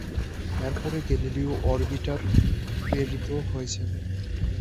এর পরে Galileo orbiter প্রেরিত হয়েছে।